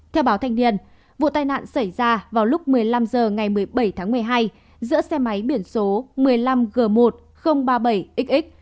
theo báo thanh niên vụ tai nạn xảy ra vào lúc một mươi năm h ngày một mươi bảy tháng một mươi hai giữa xe máy biển số một mươi năm g một nghìn ba mươi bảy xx